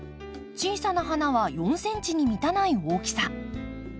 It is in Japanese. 小さな花は４ｃｍに満たない大きさ。